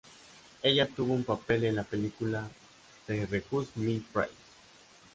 Ella tuvo un papel en la película "They're Just My Friends".